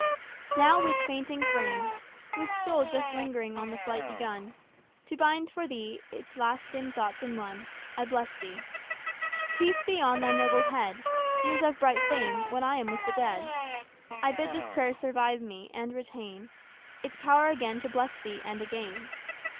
"Now, with fainting frame, With soul just lingering on the flight begun, To bind for thee its last dim thoughts in one, I bless thee. Peace be on thy noble head. Years of bright fame, when I am with the dead! I bid this prayer survive me, and retain Its power again to bless thee, and again.